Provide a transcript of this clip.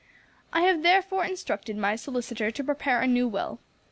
I have therefore instructed my solicitor to prepare a new will.